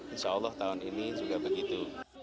insya allah tahun ini juga begitu